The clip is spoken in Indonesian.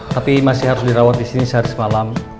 tapi masih harus dirawat disini sehari semalam